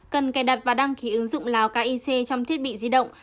cần cài đặt và đăng ký ứng dụng lào kic trong thiết bị di động